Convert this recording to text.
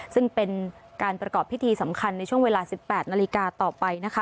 ซึ่งเป็นการประกอบพิธีสำคัญในช่วงเวลา๑๘นาฬิกาต่อไปนะคะ